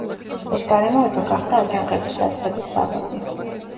ეს გარემოება გახდა აჯანყების დაწყების საბაბი.